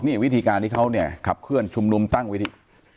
นี่วิธีการที่เขาเนี่ยขับเคลื่อนชุมนุมตั้งวิธี